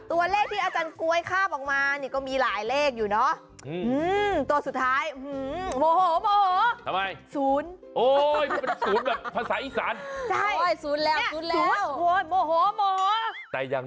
อาจารย์ก๊วยใบ้ถูกมาหลายงวดเลยนะ